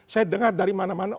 saya dengar dari mana mana